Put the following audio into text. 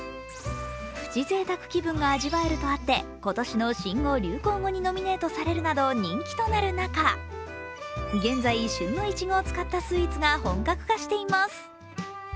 プチぜいたく気分が味わえるとあって、今年の新語・流行語にノミネートされるなど人気となる中、現在、旬のいちごを使ったスイーツが本格化しています。